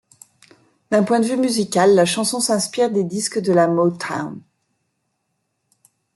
D'un point de vue musical, la chanson s'inspire des disques de la Motown.